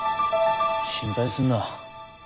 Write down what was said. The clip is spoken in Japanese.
心配すんな。